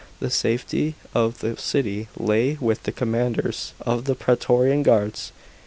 The safety of the city lay with the commanders of the praetorian guards.